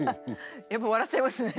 やっぱ笑っちゃいますね。